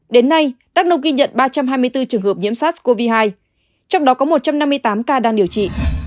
đến nay đắk nông ghi nhận ba trăm hai mươi bốn trường hợp nhiễm sars cov hai trong đó có một trăm năm mươi tám ca đang điều trị